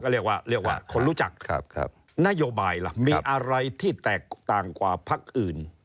เรียกว่าเรียกว่าคนรู้จักนโยบายล่ะมีอะไรที่แตกต่างกว่าพักอื่น